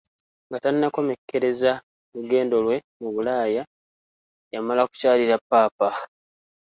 Nga tannakomekkereza lugendo lwe mu Bulaaya yamala kukyalira Papa.